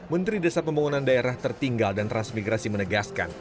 menteri desa pembangunan daerah tertinggal dan transmigrasi menegaskan